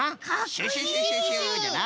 シュシュシュシュシュじゃな。